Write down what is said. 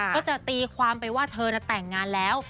ก็จะตีความไปว่าเธอน่ะแต่งงานแล้ว